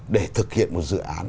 để thực hiện một dự án